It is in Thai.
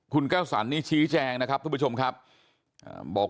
คุณแก้วสันนี่ชี้แจงนะครับทุกผู้ชมครับบอก